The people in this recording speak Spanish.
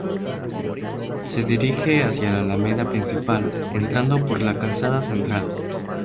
Se dirige hacia la Alameda Principal, entrando por la calzada central.